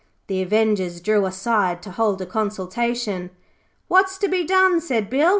The avengers drew aside to hold a consultation. 'What's to be done?' said Bill.